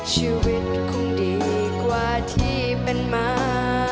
ชีวิตคงดีกว่าที่เป็นมา